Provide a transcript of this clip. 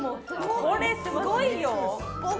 これ、すごいよ。